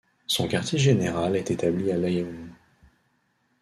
Son quartier général est établi à Laâyoune.